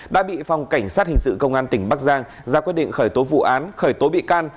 đã bị phòng cảnh sát hình sự công an tỉnh bắc giang ra quyết định khởi tố vụ án khởi tố bị can